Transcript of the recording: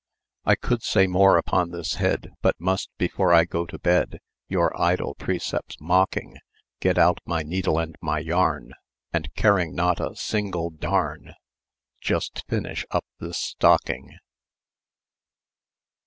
"I could say more upon this head, But must, before I go to bed. Your idle precepts mocking, Get out my needle and my yarn And, caring not a single darn. Just finish up this stocking."